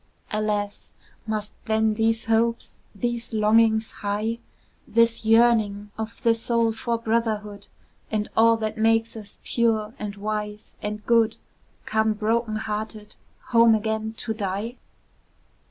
Alas! must then these hopes, these longings high, This yearning of the soul for brotherhood, And all that makes us pure, and wise, and good, Come broken hearted, home again to die?